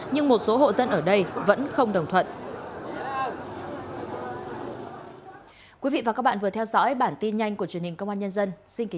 nhưng một số hộ dân ở đây vẫn không đồng thuận